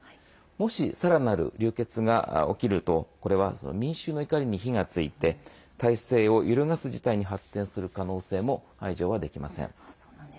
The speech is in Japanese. もし、さらなる流血が起きるとこれは民衆の怒りに火がついて体制を揺るがす事態に発展する可能性も排除はできません。